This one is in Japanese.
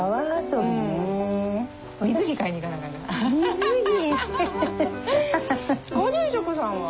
ご住職さんは？